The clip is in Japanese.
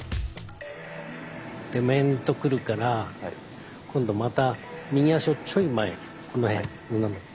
で面と来るから今度また右足をちょい前この辺斜め。